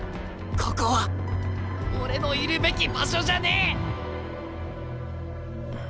ここは俺のいるべき場所じゃねえ！